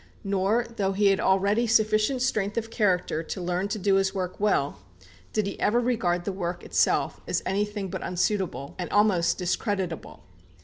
Nor, though he had already sufficient strength of character to learn to do his work well, did he ever regard the work itself as anything but unsuitable, and almost discreditable.